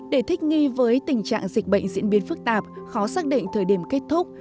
để thích nghi với tình trạng dịch bệnh diễn biến phức tạp khó xác định thời điểm kết thúc